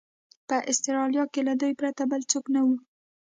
په اسټرالیا کې له دوی پرته بل څوک نه و.